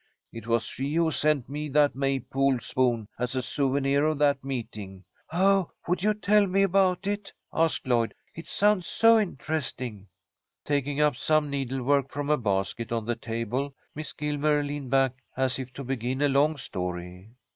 It was she who sent me that May pole spoon, as a souvenir of that meeting." "Oh, would you tell me about it?" asked Lloyd. "It sounds so interesting." Taking up some needlework from a basket on the table, Miss Gilmer leaned back as if to begin a long story.